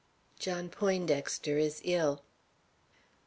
John Poindexter is ill.